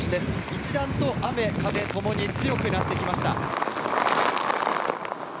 一段と雨風ともに強くなってきました。